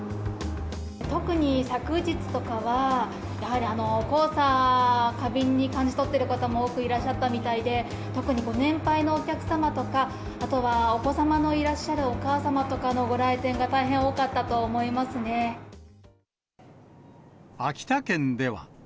特に昨日とかは、やはり黄砂過敏に感じ取っている方も多くいらっしゃったみたいで、特にご年配のお客様とか、あとはお子様のいらっしゃるお母様とかのご来店が大変多かったと秋田県では。